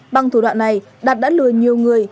bằng thủ đoạn này đạt đã lừa nhiều người